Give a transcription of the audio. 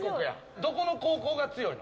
どこの高校が強いの？